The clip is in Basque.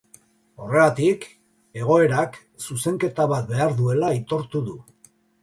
Horregatik, egoerak zuzenketa bat behar duela aitortu du.